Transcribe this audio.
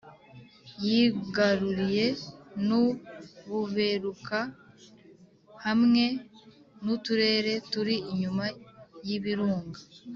yigaruriye n'u buberuka hamwe n'uturere turi inyuma y'ibirunga.